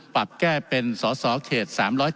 ปรับแก้เป็นสสเขต๓๗